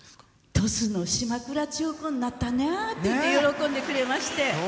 鳥栖の島倉千代子になったなって喜んでくれまして。